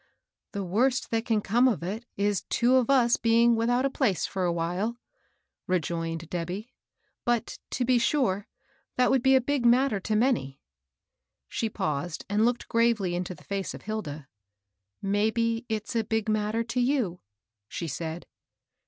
" The worst that can come of it is two of us being without a place for a while," rejoined Debby. " But, to be sure, that would be a big matter to many." She paused and looked gravely into the fiwe of Hilda. " Maybe it's a big matter to you," she said.